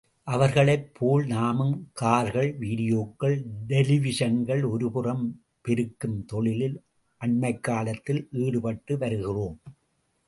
அவர்களைப் போல் நாமும் கார்கள், வீடியோக்கள் டெலிவிஷன்கள் ஒரு புறம் பெருக்கும் தொழிலில் அண்மைக்காலத்தில் ஈடுபட்டு வருகிறோம்.